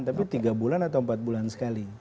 tapi tiga bulan atau empat bulan sekali